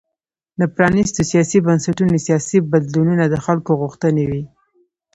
د پرانیستو سیاسي بنسټونو سیاسي بدلونونه د خلکو غوښتنې وې.